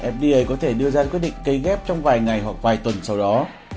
fda có thể đưa ra quyết định cấy ghép trong vài ngày hoặc vài tuần sau đó